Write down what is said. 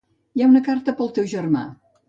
Hi ha una carta per al teu germà.